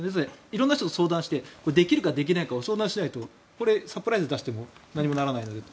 色んな人と相談してできるか、できないか相談しないとサプライズ出しても何もならないので。